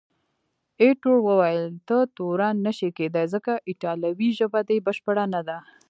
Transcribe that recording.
ایټور وویل، ته تورن نه شې کېدای، ځکه ایټالوي ژبه دې بشپړه نه ده.